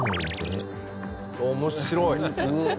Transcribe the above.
面白い！